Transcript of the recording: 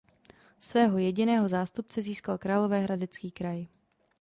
Svého jediného zástupce získal Královéhradecký kraj.